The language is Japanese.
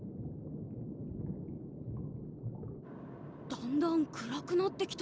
だんだん暗くなってきた。